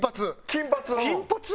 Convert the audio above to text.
金髪？